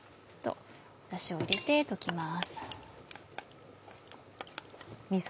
だしを入れて溶きます。